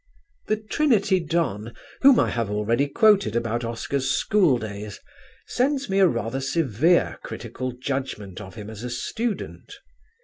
The Trinity Don whom I have already quoted about Oscar's school days sends me a rather severe critical judgment of him as a student.